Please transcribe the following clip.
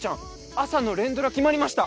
朝の連ドラ決まりました！